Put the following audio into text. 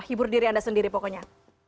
hibur diri anda sendiri pokoknya